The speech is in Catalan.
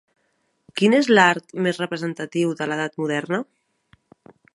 Quin és l'art més representatiu de l'edat moderna?